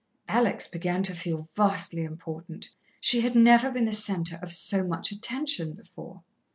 Alex began to feel vastly important. She had never been the centre of so much attention before.